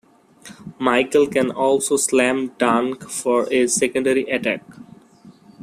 Michael can also slam dunk for a secondary attack.